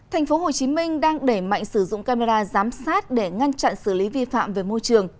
thành phố hồ chí minh đang để mạnh sử dụng camera giám sát để ngăn chặn xử lý vi phạm về môi trường